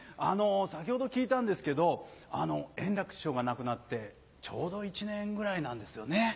先ほど聞いたんですけど円楽師匠が亡くなってちょうど１年ぐらいなんですよね。